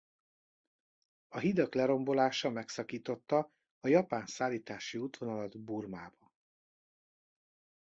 A hidak lerombolása megszakította a japán szállítási útvonalat Burmába.